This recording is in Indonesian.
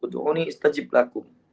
untuk aku ini tajib lagu